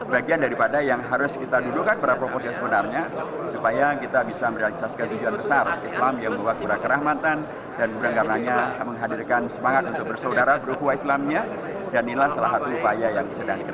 dan inilah salah satu upaya yang sedang dikerjakan